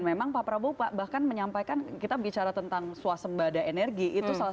memang pak prabowo bahkan menyampaikan kita bicara tentang suasembada energi itu salah satu